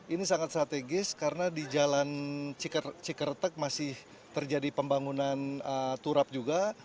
ini sangat strategis karena di jalan cikertek masih terjadi pembangunan turap juga